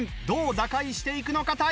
どう打開していくのか？